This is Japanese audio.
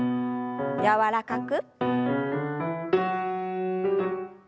柔らかく。